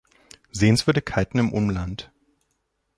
Sehenswürdigkeiten im Umland